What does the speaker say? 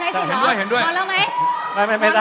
เขาเห็นด้วยจะใช้สินรอคะ